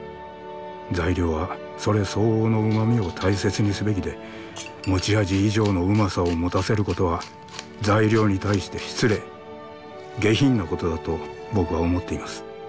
材料はそれ相応の旨みを大切にすべきで持ち味以上の旨さを持たせることは材料に対して失礼下品なことだと僕は思っています。